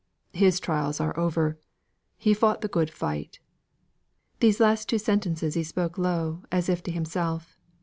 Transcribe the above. His trials are over. He fought the good fight." These last two sentences he spoke low, as if to himself.